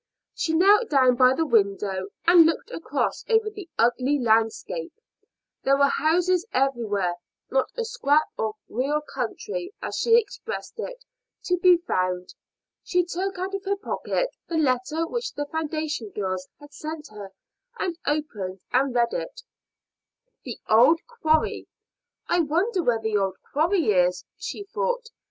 She knelt down by the window and looked across over the ugly landscape. There were houses everywhere not a scrap of real country, as she expressed it, to be found. She took out of her pocket the letter which the foundation girls had sent her, and opened and read it. "The old quarry! I wonder where the old quarry is," she thought.